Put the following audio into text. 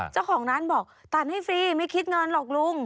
เจ้าของร้านบอกตัดให้ฟรีไม่คิดเงินหรอกลุง